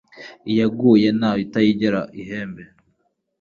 Iyaguye ntayo itayigera ihembe